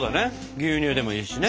牛乳でもいいしね。